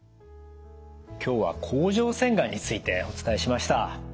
今日は甲状腺がんについてお伝えしました。